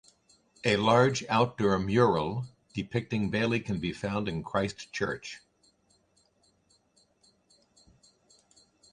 A large outdoor mural depicting Bailey can be found in Christchurch.